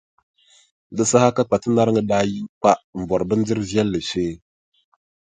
Di saha ka Kpatinariŋga daa yi n-kpa m-bɔri bindirʼ viɛlli shee.